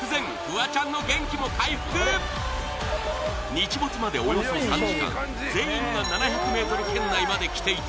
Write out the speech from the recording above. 日没までおよそ３時間全員が７００ｍ圏内まで来ていた